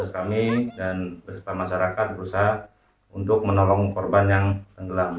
kami dan berserta masyarakat berusaha untuk menolong korban yang tenggelam